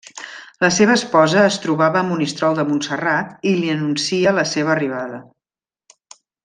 La seva esposa es trobava a Monistrol de Montserrat i li anuncia la seva arribada.